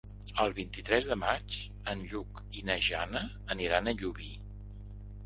El vint-i-tres de maig en Lluc i na Jana aniran a Llubí.